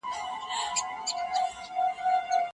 هرې نوې مرحلې پخوانۍ کیسې په بشپړ ډول هېرې کړې.